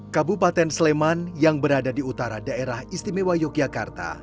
kabupaten sleman yang berada di utara daerah istimewa yogyakarta